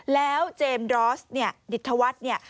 แล้วเจมส์ดรอสดิษฐวัส